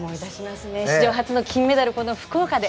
史上初の金メダルこの福岡で。